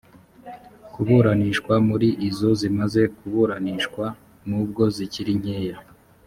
kuburanishwa muri izo zimaze kuburanishwa n ubwo zikiri nkeya